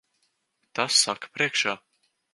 Tas saka priekšā.